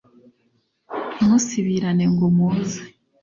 ntimusibirane ngo muze.